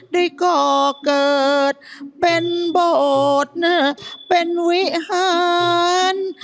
ได้ก่อเกิดเป็นโบสถ์เป็นวิหาร